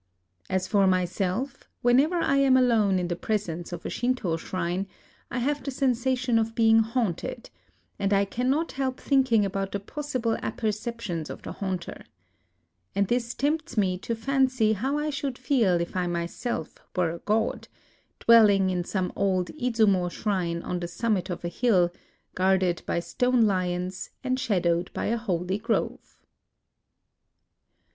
As for myself, whenever I am alone in the presence of a Shinto shrine, I have the sensation of being haunted ; and I cannot help thinking about the possible apperceptions of the haunter. And this tempts me to fancy how I should feel if I myseK were a god, — dwelling in some old Izumo shrine on the summit of a hill, guarded by stone lions and shadowed by a holy grove.